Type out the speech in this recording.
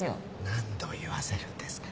何度言わせるんですか。